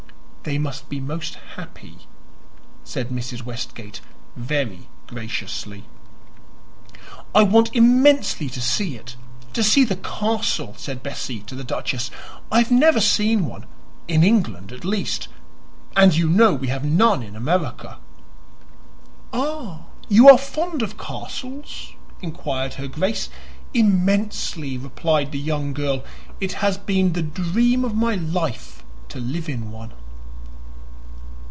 "They must be most happy," said Mrs. Westgate very graciously. "I want immensely to see it to see the castle," said Bessie to the duchess. "I have never seen one in England, at least; and you know we have none in America." "Ah, you are fond of castles?" inquired her Grace. "Immensely!" replied the young girl. "It has been the dream of my life to live in one."